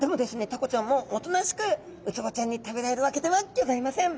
タコちゃんもおとなしくウツボちゃんに食べられるわけではギョざいません！